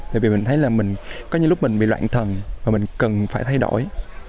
tại vì mình thấy là mình có những lúc mình bị loạn thần và mình cần phải thay đổi